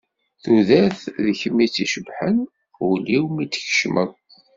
Tudert d kemm i tt-icebbḥen, ul-iw mi t-tkecmeḍ.